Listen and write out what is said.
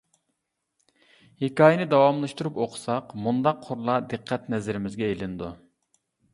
ھېكايىنى داۋاملاشتۇرۇپ ئوقۇساق مۇنداق قۇرلار دىققەت نەزىرىمىزگە ئىلىنىدۇ.